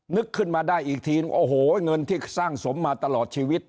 นึกขึ้นมาได้อีกทีนึงโอ้โหเงินที่สร้างสมมาตลอดชีวิต